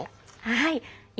はい。